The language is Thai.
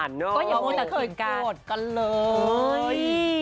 ก็อย่าพูดแต่เคยสดกันเลย